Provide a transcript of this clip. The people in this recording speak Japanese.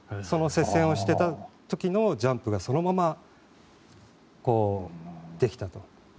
その接戦をしていた時のジャンプがそのままできたと。